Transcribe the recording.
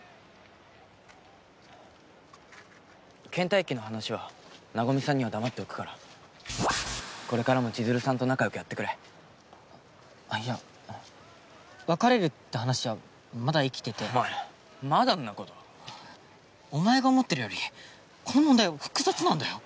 倦怠期の話は和さんには黙っておくからこれからも千鶴さんと仲よくやってくれあっいや別れるって話はまだ生きててお前まだんなことお前が思ってるよりこの問題は複雑なんだよ